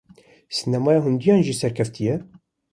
Sînemaya Hindiyan jî serkevtî ye.